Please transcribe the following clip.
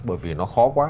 bởi vì nó khó quá